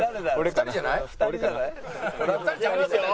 ２人じゃない？いきますよ？